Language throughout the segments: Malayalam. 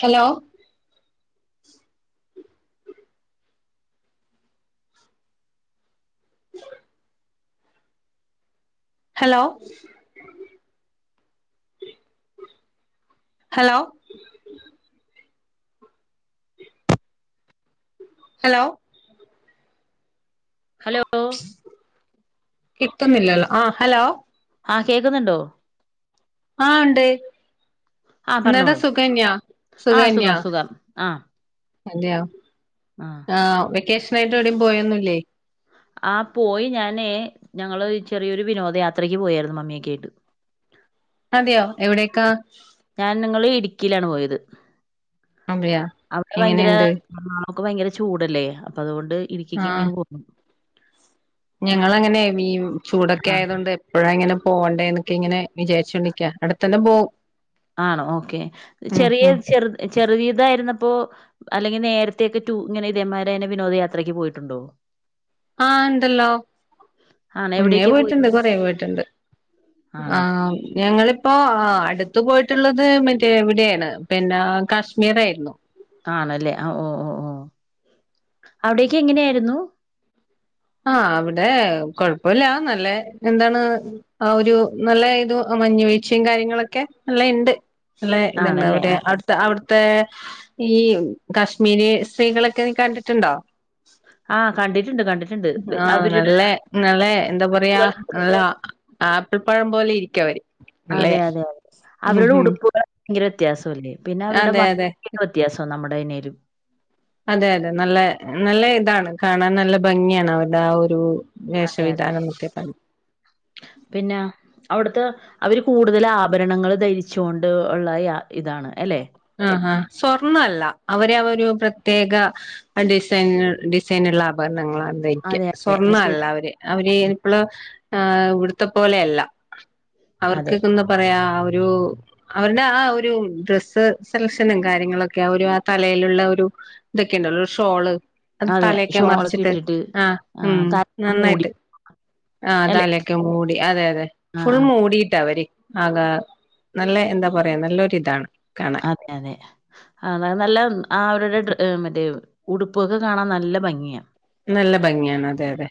Hello [unintelligible] hello hello hello hello കിട്ടുന്നില്ലല്ലോ ആഹ് ഹലോ. ആഹ് കേക്കുന്നുണ്ടോ? ആഹ് ഉണ്ട്. ആ എന്നാടാ പറഞ്ഞോളൂ സുകന്യാ, ആ സുകന്യാ സുഖം സുഖം ആ അതെയോ? ആ ആഹ് വെക്കേഷനായിട്ട് എവിടെയും പോയൊന്നുല്ലേ? ആഹ് പോയി ഞാനേ ഞങ്ങള് ചെറിയൊരു വിനോദയാത്രക്ക് പോയായിരുന്നു മമ്മിയൊക്കെ ആയിട്ട്. അതെയോ എവിടെയൊക്ക? ഞാൻ നിങ്ങള് ഇടുക്കിലാണ് പോയത്, അതെയോ അവിടെ ഭയങ്കര. എങ്ങനെയുണ്ട് എറണാകുളം ഭയങ്കര ചൂടല്ലേ, അപ്പൊ അതുകൊണ്ട് ഇടുക്കിക്ക് ഇങ്ങ് പോന്ന്. ഞങ്ങളിങ്ങനെ മെയിൻ ചൂടൊക്കെ ആ ആയതോണ്ട്. ഇവിടെ എങ്ങനെ പോവേണ്ടെന്ന് ഇങ്ങനെ വിചാരിച്ചോണ്ടിരിക്കാ അടുത്തക്കൊല്ലം പോവും. ആണോ ഓക്കേ ഉം ചെറിയ ഉം ചെറു ചെറീതായിരുന്നപ്പോ. അല്ലെങ്കി നേരത്തെയൊക്കെ ടു ഇങ്ങനെ ഇതേമാരിന്നെ വിനോദ യാത്രക്ക് പോയിട്ടുണ്ടോ? ആഹ് ണ്ടല്ലോ ആണോ മുന്നേ എവിടേക്കാ പോയി പോയിട്ടുണ്ട് കൊറേ പോയിട്ടുണ്ട് ആണോ ആ ഞങ്ങള് പ്പോ ആ അടുത്ത് പോയിട്ടുള്ളത് മറ്റേ വിടേണ് പിന്നെ കാശ്മീറേ ര്ന്നു. ആണല്ലേ ആ ഓ ഓ ഓ അവിടേക്കെങ്ങനായിരുന്നു? ആഹ് അവിടെ കൊഴപ്പല്ല നല്ലേ എന്താണ് ആ ഒരു നല്ല ഇത് മഞ്ഞുവീഴ്ച്ചെം കാര്യങ്ങളൊക്കെ നല്ല ഇണ്ട് നല്ല ആണല്ലേ ആ ഇത്ണ്ടവുലെ അട് ത അവിട്ത്തെ ഈ കാശ്മീരി സ്ത്രീകളൊക്കെ നി കണ്ടിട്ടുണ്ടോ? ആ കണ്ടിട്ടുണ്ട് കണ്ടിട്ട് ആഹ് നല്ല നല്ല ന്താ പറയാ ഉടുപ്പുകൾ, നല്ല ആപ്പിൾ പഴം പോലെ ഇരിക്കവര് അതെയതെയതെ അവരുടെ ഉടുപ്പുകൾ ങ്കര വ്യത്യാസൊല്ലേ പിന്നെ അവിടെ അതെ അതെ ഭങ്ങിയാവ്യത്യാസം നമ്മുടെ ഇനേലും അതെയതെ നല്ല നല്ല ഇതാണ് കാണാൻ നല്ല ഭംഗിയാണ് അവരുടെ ആ ഒരു അതെ അതെ വേഷവിധാനന്നൊക്കെ കണ്ട് പിന്നെ അവിടുത്തെ അവര് കൂടുതല് ആഭരണങ്ങൾ ധരിച്ചോണ്ട്ള്ള യ ഇതാണ് അല്ലെ? ആ ആ സ്വർണല്ല അവര് അവരൊ പ്രത്യേക ആ ഡിസൈൻ ഡിസൈന്ള്ള ആപരണങ്ങളാണ് ധരിക്ക അതെ അതെ ആ ശരി സ്വർണ്ണല്ലവര് അവര് ള് ഹെ വ്ട്ത്തെ പോലെയല്ല അവർക്ക് അതെ ന്ന് പറയാ ഒരു അവരുടെ ആ ഒരു ഡ്രസ്സ് സെലക്ഷനും കാര്യങ്ങളൊക്കെ ആ ഒരു ആ തലയില്ള്ളൊരു ഇതൊക്കെയുണ്ടല്ലോ രുഷോള് അത് അതെ തലയൊക്കെ ഷോളൊക്കെ മറച്ചിട്ട് ഇട്ടിട്ട് ആഹ് ആ ഉം തല മൂടി നന്നായിട്ട് ആ അല്ലെ തലൊക്കെ മൂടി അതെ യതെ ആ ഫുൾ ആ മൂടീട്ടാവര് ആകാ നല്ല എന്താ പറയാ നല്ലൊരിതാണ് കാണാൻ അതെയതെ ആതെ നല്ല ആ അവരുടെ മറ്റേ ഉടുപ്പൊക്കെ കാണാൻ നല്ല ഭംഗിയാ നല്ല ഭംഗിയാണ് അതെയതെ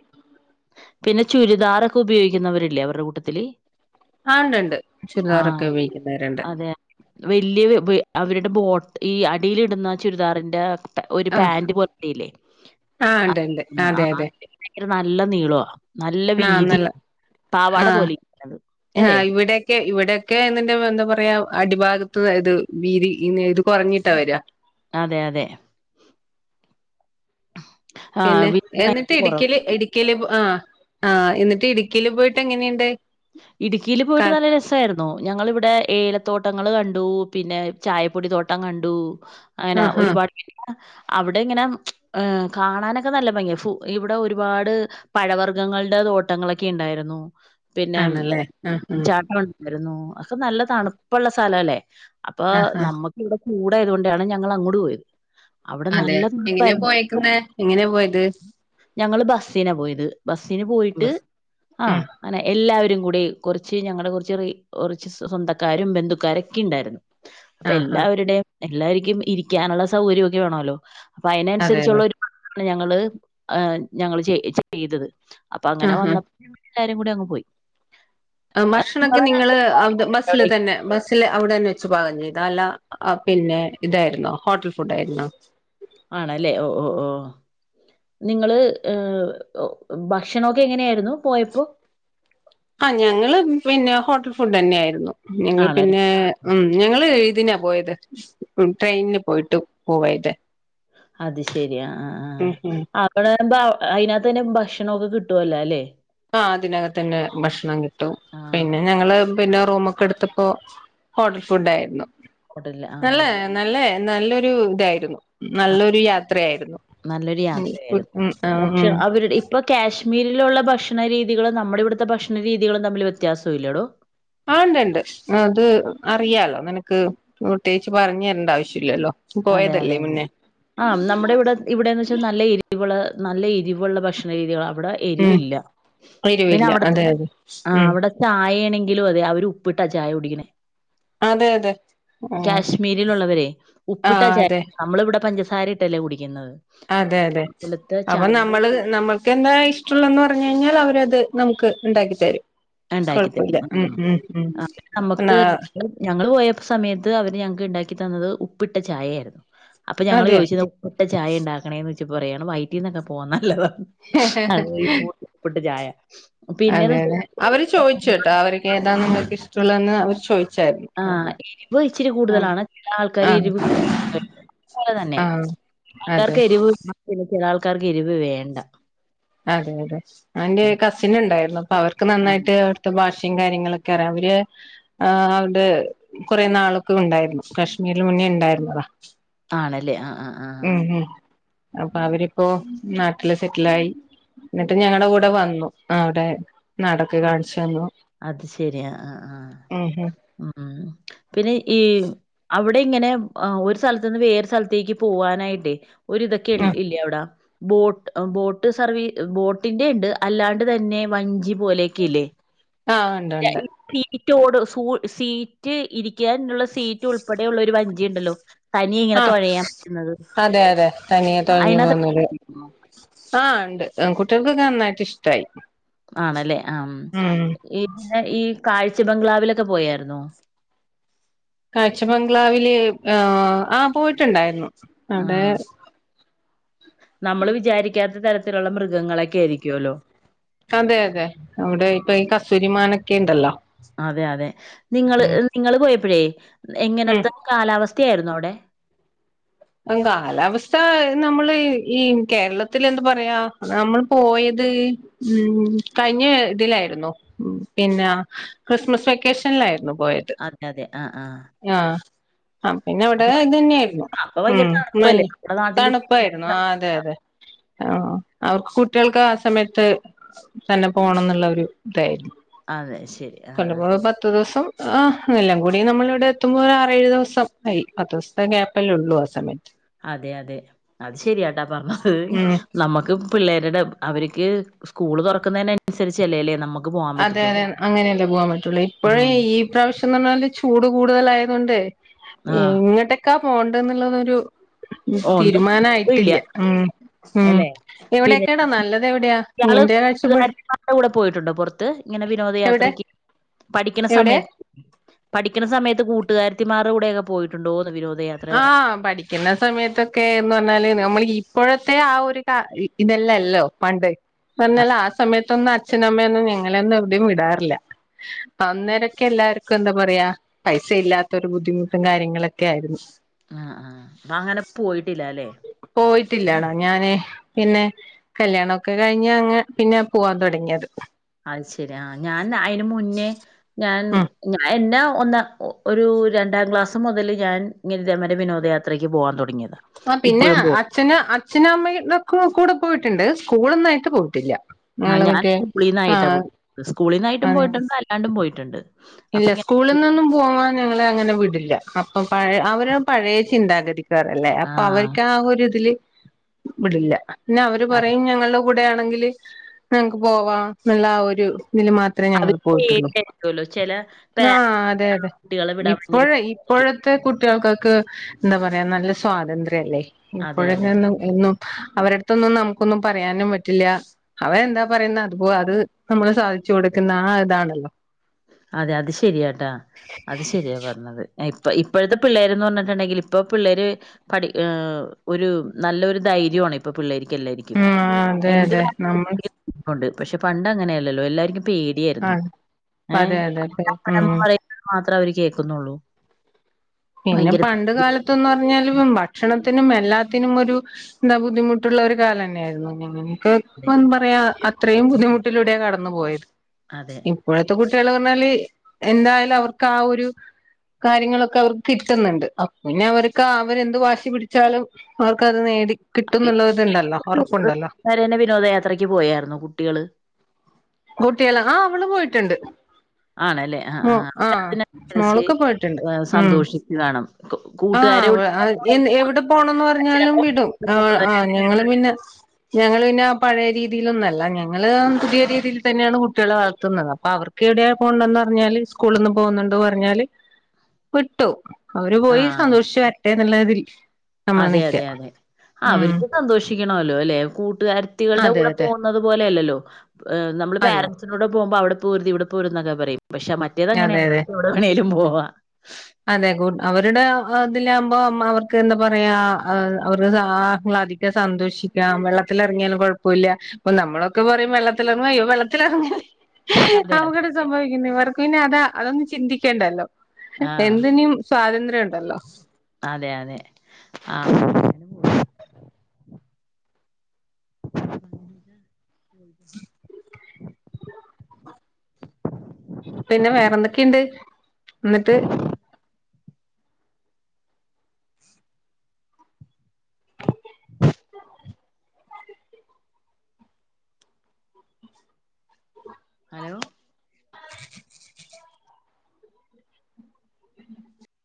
പിന്നെ ചുരിദാറൊക്കു പയോഗിക്കുന്നവരില്ലേ അവരെ കൂട്ടത്തില് ആഹ് ണ്ട് ണ്ട് ‌ ‌ ആ ചുരിദാറൊക്കുപയോഗിക്കുന്നവരുണ്ട് അതെ വലിയ ബി അവരുടെ ബോട്ട് ഈ അടിയിലിടുന്ന ചുരിദാറിന്റെ ഒരു ആ പാന്റ് പോലല്ലേ ആ ഉണ്ട് ഉണ്ട് അതെ അ അതെ ത് നല്ല നീളാ നല്ല ആ വീതി നല്ല പാവാട പോലെരിക്കുന്നത് അല്ലെ ക്കെ ഇവിടൊക്കെന്ന്ണ്ടെ എന്താ പറയാ അടിഭാഗത്ത് അതായത് വീതി ഇത് കുറഞ്ഞിട്ടാ വരാ അതെയതെ ആ പിന്നെ വീതി എന്നിട്ട് ഭയങ്കര കുറവാ. ഇടുക്കില് ഇടി ക്കില് ആ ആഹ് ന്നിട്ട് ഇടുക്കീല് പോയിട്ടെങ്ങനെയുണ്ട്? ഇടുക്കീല് പോയിട്ട് നല്ല രസ യിരുന്നൂ ഞങ്ങളിവിടെ ഏലത്തോട്ടങ്ങൾ കണ്ടു പിന്നെ ചായപ്പൊടിത്തോട്ടം കണ്ടൂ ആ അങ്ങനെ ഹാ ഒരുപാട് [unintelligible] അവിടിങ്ങനെ ഏ കാണാനൊക്കെ നല്ല ഭംഗിയാ ഫു ഇവിടെ ഒരുപാട് പഴവർഗ്ഗങ്ങളുടെ തോട്ടങ്ങളൊക്കെണ്ടായിരുന്നു പിന്നെ ആണല്ലേ ആ ആ ചാട്ട രുന്നു അഒക്കെ നല്ല തണുപ്പ്ള്ള സ്ഥലല്ലേ അപ്പൊ ആ ആ നമ്മ ഇവിടെ ചൂടായതോണ്ടാണ് ഞങ്ങൾ അങ്ങോട് പോയത്. അവിടെ അതെ നല്ല എങ്ങനെ തണുപ്പായിരുന്നു. പോയേക്കുന്നെ എങ്ങനെ പോയത് ഞങ്ങള് ബസ്സിനാ പോയത് ബസ്സിന് പോയിട്ട് ബസ് ആ ഉം അനെ എല്ലാവരും കൂടി കൊർച്ച് ഞങ്ങളെ കൊർച്ച് കുറച്ച് സ്വന്തക്കാരും ബന്ധുക്കാരൊക്കെ ഇണ്ടായിരുന്നു അപ്പൊ ആ ഹാ എല്ലാവരുടെയും എല്ലാവർക്കും ഇരിക്കാനുള്ള സൗകര്യമൊക്കെ വേണല്ലോ അപ്പൊ അതെ അതെ അതിനനുസരിച്ചുള്ള ഞങ്ങള് ആ ഞങ്ങള് ചെയ ചെയ്തത് അപ്പൊ ആ അങ്ങനെ ആ വന്നപ്പോ എല്ലാരും കൂടി അങ്ങ് പോയി ഭക്ഷണൊക്കെ നിങ്ങള് ബസ്സില് തന്നെ ബസ്സ് സ്സില് അവിടെ തന്നെ വെച്ച് പാകം ചെയ്തോ അല്ല പിന്നെ ഇതായിരുന്നോ ഹോട്ടൽ ഫുഡ് ആയിരുന്നോ ആണല്ലേ ഓ ഓ ഓ നിങ്ങള് ഭക്ഷണൊക്കെ എങ്ങനെയായിരുന്നു പോയപ്പോ ആഹ് ഞങ്ങള് പിന്നെ ഹോട്ടൽ ഫുഡ് തന്നെ ആയിരുന്നു ഇല്ലെങ്കി ആണല്ലേ പിന്നെ ഉം ഞങ്ങള് ഇതിനാ പോയത് ട്രെയിനിന് പോയിട്ടു പോയതെ അത് ശരി ആഹ് ആഹ് ഉം ഉം ആഹ് അവിടെറുമ്പ അയിനകത്ത് തന്നെ ഭക്ഷണ ഒക്കെ കിട്ടുവല്ലോ അല്ലെ ആഹ് അതിനകത്തന്നെ ഭക്ഷണം കിട്ടും പിന്നെ ആഹ് ഞങ്ങള് പിന്നെ റൂമൊക്കെ എടുത്തപ്പോ ഹോട്ടൽ ഫുഡ് ആയിരുന്നു ഹോട്ടലില് ആഹ് നല്ലേ നല്ലെ നല്ലൊരു ഇതായിരുന്നു നല്ലൊരു യാത്രയായിരുന്നു നല്ലൊരു ഉം യാത്രയായിരുന്നു ഉം പക്ഷെ ഉം അവരുടെ ഇപ്പൊ കാശ്മീരിലുള്ള ഭക്ഷണ രീതികളും നമ്മുടെ ഇവിടുത്തെ ഭക്ഷണ രീതികളും തമ്മില് വ്യത്യാസം ഇല്ലെടോ ആഹ് ഒണ്ട് ഒണ്ട് അത് അറിയാലോ നിനക്ക് പ്രത്യേകിച്ച് പറഞ്ഞു തരേണ്ട ആവശ്യമില്ലല്ലോ അതെ അതെ പോയതല്ലേ അതെ മുന്നേ ആഹ് നമ്മുടെ ഇവിടെ ഇവിടെന്ന് വെച്ചാ നല്ല എരിവുള്ള നല്ല എരിവുള്ള ഭക്ഷണ രീതികളാ അവിടെ ഉം എരിവില്ല പിന്നെ വരുവില്ല അവിടത്തെ അതെ അതെ ആഹ് ഉം അവിടെ ചായ ആണെങ്കിലും അതെ അവര് ഉപ്പിട്ടാ ചായ കുടിക്കണേ അതെ അതെ ഉം കാശ്മീരിലുള്ളവരെ ആ ഉപ്പിട്ടാച്ചാര് അതെ നമ്മളിവിടെ പഞ്ചസാര ഇട്ടല്ലേ കുടിക്കുന്നത് അതെ അതെ അതുപോലത്തെ അപ്പ ചായ നമ്മള് നമ്മൾ ക്ക് എന്താ ഇഷ്ടള്ളതെന്ന് പറഞ്ഞു കഴിഞ്ഞാൽ അവരത് നമുക്ക് ഇണ്ടാക്കി തരും ഉണ്ടാക്കി തരും കുഴപ്പല്ല ഉം ഉം ഉം ആ നമുക്ക് ന്നാ ഞങ്ങള് പോയ സമയത്ത് അവര് ഞങ്ങക്ക് ഇണ്ടാക്കി തന്നത് ഉപ്പിട്ട ചായായിരുന്നു അപ്പൊ ഞങ്ങള് അതെ ചോദിച്ചത് ഉപ്പിട്ടചായ ഉണ്ടാക്കണേന്ന്ച്ചപ്പോ പറയാണ് വൈറ്റിന്നൊക്കെ പോകാൻ നല്ലതാന്ന് അത് ഉപ്പിട്ടചായ അതെലെ അവര് ചോയിച്ചു ട്ട അവർക്ക് ഏതാ നമ്മൾക്ക് ഇഷ്ടമുള്ളതന്ന് അവര് ചോദിച്ചു ആഹ് എരിവ് ഇച്ചിരി കൂടുതലാണ് ആ ചില ആൾക്കാര് എരിവ് [unintelligible] അതുപോലെ തന്നെ ആ ആ ചില അതെ ആൾക്കാർക്ക് എരിവ് ചില ആൾക്കാർക്ക് എരിവ് വേണ്ട അതെ അതെ അവന്റെ കസിന് ണ്ടായിരുന്നു അപ്പൊ അവർക്ക് ആ നന്നായിട്ട് ട്ട് ഭാഷയും കാര്യങ്ങളൊക്കെ അറിയ അവര് ആ അവിടെ കുറെ നാളൊക്കെ ഉണ്ടായിരുന്നു കശ്മീരിൽ മുന്നേ ഉണ്ടായിരുന്നതാ ആണല്ലേ ആഹ് ആഹ് ആഹ് ഉം ഉം അപ്പൊ അവരിപ്പോ നാട്ടില് സെറ്റിലായി എന്നിട്ടും ഞങ്ങടെ കൂടെ വന്നു ആ അവിടെ നാടൊക്കെ കാണിച്ചന്നു അത് ശരി. ആഹ് ആഹ് ആഹ്. ഉം ഉം ഉം പിന്നെ ഈ അവിട് ടെ ഇങ്ങനെ ഒരു സ്ഥലത്ത്ന്ന് വേറെ സ്ഥലത്തേക്ക് പോവാനായിട്ട് ഒര് ഇതൊക്കെ ഉം ഇല്ലേ അവിട ബോട്ട് ബോട്ട് സർവീസ് ബോട്ടിന്റെ ഇണ്ട് അല്ലാണ്ട് തന്നെ വഞ്ചി പോലെയൊക്കെ ഇല്ലേ ആഹ് ഇണ്ട് ണ്ട് സീറ്റ് ഓട് സ സീറ്റ് ഇരിക്കാനുള്ള സീറ്റ് ഉൾപ്പെടെ ഉള്ള ഒരു വഞ്ചി ഇ ണ്ടല്ലോ ആഹ് അതെ അതെ തനിയ തൊഴഞ്ഞു അതിനകത്ത് പോന്നല് ആഹ് ഇണ്ട് കുട്ടിയാൾക്കൊക്കെ നന്നായിട്ട് ഇഷ്ടായി ആണല്ലേ ആഹ് ഉം ഈ കാഴ്ച ബംഗ്ലാവിലൊക്കെ പോയാർ ന്നോ കാഴ്ച ബംഗ്ലാവില് ആഹ് പോയിട്ടുണ്ടായിരുന്നു അവിടെ ആഹ്. നമ്മള് വിചാരിക്കാത്ത തരത്തിലുള്ള മൃഗങ്ങളൊക്കെ ആയിരിക്കുല്ലോ അതെ അതെ അവിടെ ഇപ്പൊ ഈ കസ് തൂരിമൻക്കെ ഉണ്ടല്ലോ അതെ അതെ നിങ്ങള് ഉം നിങ്ങള്ൾ പോയപ്പോഴേ എങ്ങനത്തെ ഉം കാലാവസ്ഥയായിരുന്നു അവിടെ കാലാവസ്ഥ നമ്മള് ഈ കേരളത്തി എന്ത് പറയാ നമ്മൾ പോയത് ഉം കഴിഞ്ഞ ഇതിലായിരുന്നു പിന്നെ ക്രിസ്മസ് വെക്കേഷനിലായിരുന്നു പോയത് അതെ അതെ ആഹ് ആഹ് ആഹ് ആ പിന്നെ അവിടെ അപ്പൊ ഭയ- ഇത് തന്നെയായിരുന്നു അപ്പൊ ഉം ഭയങ്കര മഞ്ഞ തണുപ്പല്ലേ നമ്മുടെ നാട്ടില് തണുപ്പായിരുന്നു ആഹ് അതെ അതെ ആഹ് അവർക്ക് കുട്ടികൾക്ക് ആഹ് സമയത്ത് തന്നെ പോണം എന്നുള്ള ഒരു ഇതായിരുന്നു അതെ ശരി ആഹ് കൊണ്ടുപോയ ആഹ് പത്ത് ദിവസം എെല്ലാം കൂടി നമ്മള ഇവിടെ എത്തുമ്പോൾ ഒരു ആറേഏഴ് ദിവസം ആയി പത്ത് ദിവസത്തെ ഗ്യാപ്പല്ലേ ഉള്ളൂ അ സമിറ്റ് അതെ അതെ അത് ശെരിയാട്ടാ പറഞ്ഞത് ഉം നമ്മക്ക് പിള്ളേരുടെ അവർക്ക് സ്കൂള് തുറക്കുന്നതിനനുസരിച്ചല്ലേല്ലേ നമുക്ക് പോകാൻ അതെ അതെ പറ്റത്തുള്ളൂ അങ്ങനെയല്ലേ പോകാൻ പറ്റുള്ളൂ ഇപ്പോഴേ ഉം ഈ പ്രാവശ്യം എന്ന് പറഞ്ഞാല് ചൂട് കൂടുതലയത കൊണ്ട് ആഹ് എങ്ങട്ടൊക്കാ പോണ്ട എന്നുള്ളരു ഒന്നും ഇല്ല തീരുമാനയിട്ടില്ല ഉം ഉം അല്ലെ പിന്നെ എവിടെൊക്കെടാ നല്ലത് എവിടെയാ ഇയാള് നിന്റെ കാഴ്ചപ്പാട് കൂകന്മാരുടെ കൂടെ പോയിട്ടുണ്ട് പുറത്ത് ഇങ്ങനെ എവിടെ വിനോദയാത്രക്ക് പഠിക്കുന്ന എവിടെ സമയത്ത് പഠിക്കണ സമയത്ത് കൂട്ടുകാാരത്തിമാർ കൂടെയൊക്കെ പോയിട്ടുണ്ടോന്ന് വിനോദ ആഹ് പടി പിക്കുന്ന സമയത്തൊക്കെ എന്ന് പറഞ്ഞാല് നമ്മൾ ഇപ്പോഴത്തെ ആ ഒരു ഇതല്ലല്ലോ പണ്ട് പറഞ്ഞാാല ആ സമയത്തൊന്നും അച്ഛനമ്മയൊന്നും ഞങ്ങള ഒന്നും എവിടെയും വിടാറില്ല അ അന്നേരൊക്കെ എല്ലാർക്കും എന്താ പറയാ പൈസ ഇല്ലാത്തരു ബുദ്ധിമുട്ടും കാര്യങ്ങളൊക്കെ ആയിരുന്നു ആഹ് ആഹ് അപ്പ അങ്ങനെ പോയിട്ടില്ല അല്ലേ പോയിട്ടില്ലാണാ ഞാന് പിന്നെ കല്യാണംഒക്കെ കഴിഞ്ഞഞ് അങ്ങ് പിന്നെ പോവാൻ തുടങ്ങിയത് അത് ശരിയാ ആഹ് ഞാൻ അയിന് മുന്നേ ഞാൻ ഉം എന്നാ ഒന്ന് ഒരു രണ്ടാം ക്ലാസ് മുതൽ ഞാൻ ഇങ്ങനെ ദമന വിനോദയാത്രയ്ക്ക് പോവാൻ തുടങ്ങിയതാണ് ആഹ് പിന്നെ അച്ഛന അച്ഛന അമ്മക്ക കൂടെ പോയിട്ടുണ്ട് സ്കൂളൊന്നായിട്ട് പോയിട്ടില്ല ആഹ് ഞങ്ങള് ഞാൻ മറ്റേ സ്കൂളീനിന്നായിട്ടാ പോ ആഹ് സ്കൂളീ നിന്ന ആയിട്ടും അതെ പോയിട്ടുണ്ട് അല്ലാണ്ടും പോയിട്ടുണ്ട് അപ്പൊ ഇല്ല ഇങ്ങനെ സ്കൂളിൽ നിന്നും പോങ്ങാൻ ഞങ്ങ അങ്ങനെ വിടില്ല അപ്പൊ പഴ അവര പഴയ ചിന്താഗതിും അപ്പൊ ആഹ് അവർക്ക് ആ ഒരുരിതില് ഇടില്ല പിന്നെ അവര് പറയുംയും ഞങ്ങള് ഇവിടെ ആണെങ്കിൽ ങ്ങക്ക് പോവാം എന്നുള്ള ഒരു ഇതിൽ മാത്രം അവരു ഏരിയിരിക്കല്ലോ ചില ആഹ് അതെ അതെ ഇപ്പോഴ പേടിയായിരിക്കും ഇപ്പോഴത്തെ കുട്ടികൾക്കൊക്ക് എന്താ പറയാ നല്ല സ്വാതന്ത്ര്യല്ലേ അതെ അതെ ഇപ്പോഴന്ന് ഒന്നും അവരെട്ത്തൊന്നും നമുക്കൊന്നും പറയാനും പറ്റില്ല അവരെന്താ പറയുന്ന അത്പോ അത് നമ്മള് സാധിച്ചു കൊടുക്കുന്ന ആ ഇതാണല്ലോ. അതെ അത് ശരിയാട്ടാ അത് ശരിയാ പറഞ്ഞത്. ഏ ഇ പ്പ ഇപ്പഴ്ത്തെ പിള്ളേരെന്ന് പറഞ്ഞിട്ടുണ്ടെങ്കിൽ ഇപ്പോ പിള്ളേർ പഠി ഏഹ് ഒരു നല്ലൊരു ധൈര്യവാണ് ഇപ്പൊ പിള്ളേര്ക്ക് എല്ലാര് ക്ക്യും. ഉം അതെ എന്ത് അതെ നമ്മൾ [unintelligible] ഉണ്ട് പക്ഷെ പണ്ട് അങ്ങനെയല്ലല്ലോ എല്ലാര്ക്കും പേടിയായിരുന്നു. ആഹ് അതെ അതെ അതെ ഉം മാത്ര അവര് കേക്കുന്നൊള്ളൂ. പിന്നെ പണ്ട് കാലത്ത് ന്ന് പർഞ്ഞാല് പ്പം ഭക്ഷണത്തിനും എല്ലാത്തിനും ഒരു എന്താ ബുദ്ധിമുട്ടുള്ള ഒരു കാലന്നായായിരുന്നു ഇങ്ങനെ [unintelligible] ഇപ്പം പറയാ അത്രയും ബുദ്ധിമുട്ടിലൂടെയാ കടന്നു പോയത് അതെ ഇപ്പോഴത്തെ കുട്ടികൾ പർഞ്ഞാല് എന്തായാലും അവർക്ക് ആ ഒരു കാര്യങ്ങളൊക്കെ അവർ കിട്ടുന്നുണ്ട്. അപ്പോ പിന്നെ അവർക്ക് ആഹ് അവരെന്ത് വാശി പിടിച്ചാലും അവർക്കത് നേടി കിട്ടുംന്നുള്ളത് ഇത്ണ്ടല്ലോ ഒറപ്പുണ്ടല്ലോ ന്നെ വിനോദയാത്രക്ക് പോയായിരുന്നു കുട്ടികള് കുട്ടിയേള് ആഹ് അവള് പോയിട്ട്ണ്ട്. ആണല്ലേ ആഹ് മോ ആഹ് മോളൊക്കെ പോയിട്ടുണ്ട് ഉം. ഇതാണം ആഹ് വ് എ എവിടെ പോണംന്ന് പറഞ്ഞാലും വിടും. ആഹ് ആഹ് ഞങ്ങള് പിന്നെ ഞങ്ങള് പിന്നെ ആ പഴേ രീതിയിലൊന്നല്ല, ഞങ്ങള് പുതിയ രീതിയിൽ തന്നെയാണ് കുട്ടിയാളെ വളർത്തുന്നത്. അപ്പൊ അവർ ക്കെവിടെയാ പോണ്ടന്ന് പറഞ്ഞാല് സ്കൂളിന്ന് പോകുന്നുണ്ട് പറഞ്ഞാല് വിട്ടു. അവര് പോയി ആഹ് സന്തോഷിച്ചു വരട്ടെ ന്ന്ള്ളതിൽ അതെ അതെ അതെ. ആ അവര്ക്കും സന്തോഷി ഷിക്കണോല്ലോ ല്ലെ. കൂട്ടുകാരത്തികൾടെ അതെ കൂടെ അതെ പോകുന്നത് പോലെയല്ലല്ലോ നമ്മള് അല്ല പേരെൻസ് ൻ്റൂടെ പോക്മ്പോ അവിടെ പോവര്തിവിടെ പോവര്ത് ന്നൊക്കെ പറയും. പക്ഷെ മറ്റേത് അതെ അങ്ങനെയല്ലാ അതെ ഓര്ക്ക് എവിടെ വേണേലും പോവാ. അതെ കൂ അവരുടെ ആ ഇതിലാവുമ്പോ നമ്മളവർക്ക് എന്താ പറയാ അഹ് അവർക്ക് ആഹ്ലാദി ക്ക് സന്തോഷിക്കാ വെള്ളത്തില് എർങ്ങ്യാലും കുഴപ്പോല്ല. അപ്പം നമ്മളൊക്കെ പറയും വെള്ളത്ത്ലറങ്ങ അയ്യോ വെള്ളത്തിലറങ്ങേ അതെ അപകടം അതെ സംഭവിക്കുന്നെ ഇവർക്ക് പിന്നെ അതാ അതൊന്നും ചിന്തിക്കേണ്ടല്ലോ. ആഹ് എന്തിനും സ്വാതന്ത്ര്യം ഉണ്ടല്ലോ അതെ അതെ ആഹ് [inaudible] പോയിറ്റ് ണ്ട് പിന്നെ വേറെ എന്തൊക്കിണ്ട്? ഇന്നട്ട് ഹലോ